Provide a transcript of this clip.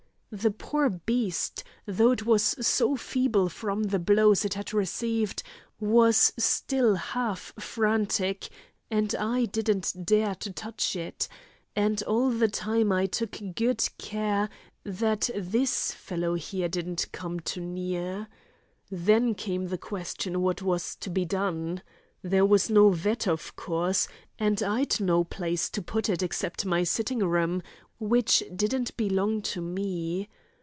The poor beast, though it was so feeble from the blows it had received, was still half frantic, and I didn't dare to touch it; and all the time I took good care that this fellow here didn't come too near. Then came the question what was to be done. There was no vet, of course, and I'd no place to put it except my sitting room, which didn't belong to me.